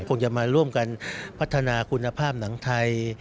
คงจะมาร่วมกันพัฒนาคุณภาพหนังไทย